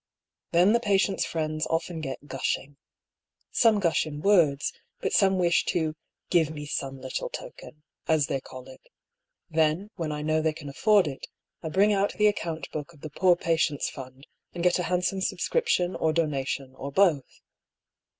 Then the patient's friends often get gushing. Some gush in words, but some wish to ' give me some little token,' as they call it. Then, when I know they can afford it, I bring out the account book of the poor patients' fund, and get a handsome sub scription or donation, or both.